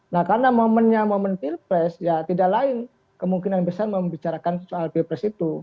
nah karena momennya momen pilpres ya tidak lain kemungkinan besar membicarakan soal pilpres itu